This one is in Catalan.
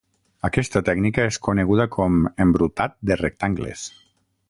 Aquesta tècnica és coneguda com embrutat de rectangles.